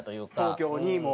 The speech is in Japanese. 東京にもう。